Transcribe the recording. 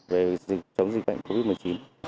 về chống dịch bệnh covid một mươi chín